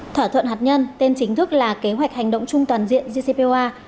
thỏa thuận hạt nhân tên chính thức là kế hoạch hành động trung toàn diện jcpoa